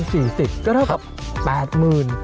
ก็เรียกว่าแบบ๘๐๐๐๐